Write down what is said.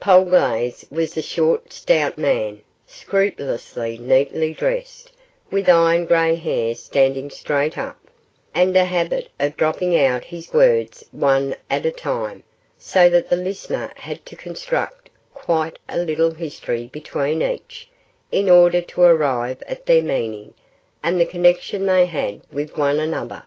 Polglaze was a short, stout man, scrupulously neatly dressed, with iron grey hair standing straight up, and a habit of dropping out his words one at a time, so that the listener had to construct quite a little history between each, in order to arrive at their meaning, and the connection they had with one another.